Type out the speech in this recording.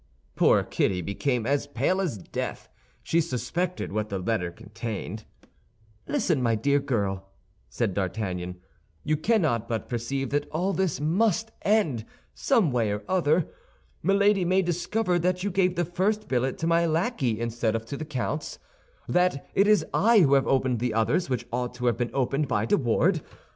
Poor Kitty became as pale as death; she suspected what the letter contained. "Listen, my dear girl," said D'Artagnan; "you cannot but perceive that all this must end, some way or other. Milady may discover that you gave the first billet to my lackey instead of to the count's; that it is I who have opened the others which ought to have been opened by de Wardes.